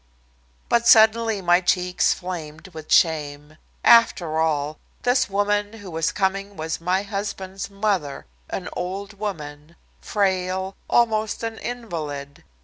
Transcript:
But suddenly my cheeks flamed with shame. After all, this woman who was coming was my husband's mother, an old woman, frail, almost an invalid.